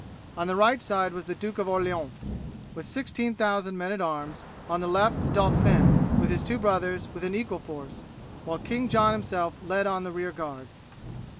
On the right was the Duke of Orleans with 16,000 men at arms; on the left the Dauphin and his two brothers with an equal force; while King John himself led on the rear guard.